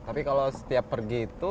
tapi kalau setiap pergi itu